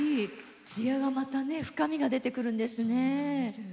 つやがまた、深みが出てくるんですね。